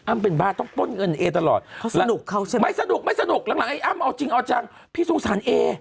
อ้ำเป็นบ้าต้องปล้นเงินเอ๋ตลอดเขาสนุกเขาใช่มั้ยไม่สนุกหลังไอ้อ้ำเอาจริงเอาจังพี่สงสัยเอ๋